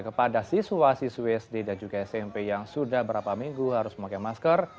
kepada siswa siswi sd dan juga smp yang sudah berapa minggu harus memakai masker